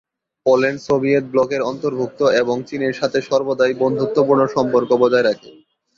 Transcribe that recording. Poland Soviet ব্লকের অন্তর্ভুক্ত এবং চীনের সাথে সর্বদাই বন্ধুত্বপূর্ণ সম্পর্ক বজায় রাখে।